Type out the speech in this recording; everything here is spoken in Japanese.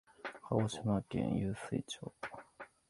鹿児島県湧水町